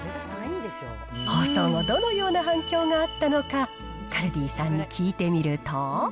放送後、どのような反響があったのか、カルディさんに聞いてみると。